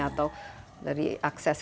atau dari akses